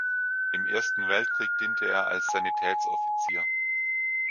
Im Ersten Weltkrieg diente er als Sanitätsoffizier.